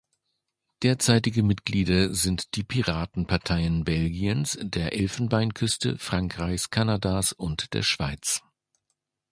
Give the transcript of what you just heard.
Derzeitige Mitglieder sind die Piratenparteien Belgiens, der Elfenbeinküste, Frankreichs, Kanadas und der Schweiz.